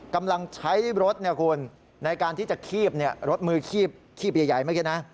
กำลังใช้รถคุณในการที่จะคีบรถมือคีบใหญ่เมื่อกี้นะ